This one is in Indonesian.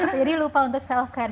jadi lupa untuk self care